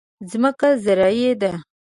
ځمکه زرعي ده.